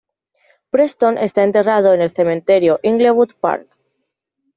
Preston está enterrado en el Cementerio Inglewood Park.